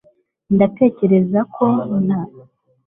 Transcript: ndatekereza ko twabonye tom